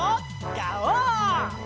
ガオー！